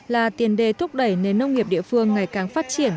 là tiền đề thúc đẩy nền nông nghiệp địa phương ngày càng phát triển